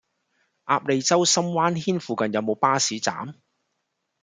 鴨脷洲深灣軒附近有無巴士站？